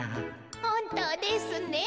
ほんとうですねえ。